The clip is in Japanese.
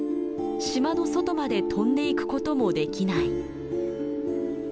島の外まで飛んで行くこともできない。